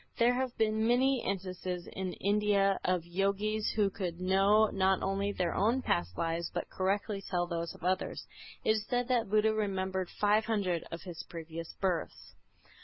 There have been many instances in India of Yogis who could know not only their own past lives but correctly tell those of others. It is said that Buddha remembered five hundred of his previous births.